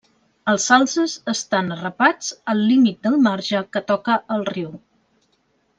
Els salzes estan arrapats al límit del marge que toca el riu.